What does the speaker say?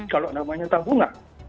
kalau namanya tabungan